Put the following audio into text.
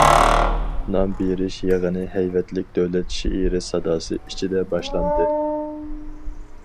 نام بېرىش يىغىنى ھەيۋەتلىك دۆلەت شېئىرى ساداسى ئىچىدە باشلاندى.